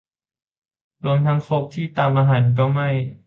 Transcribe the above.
รวมทั้งครกที่ตำอาหารก็ไหม้